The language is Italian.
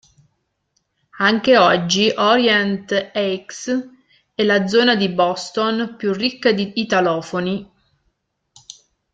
Anche oggi Orient Heights è la zona di Boston più ricca di italofoni.